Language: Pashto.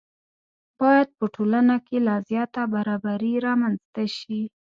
باید په ټولنه کې لا زیاته برابري رامنځته شي.